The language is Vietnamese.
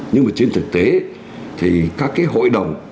nhưng mà trên thực tế thì các cái hội đồng